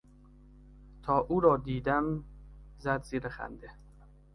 تا او را دیدم زد زیر خنده.